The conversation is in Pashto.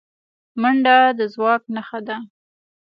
منډه د ځواک نښه ده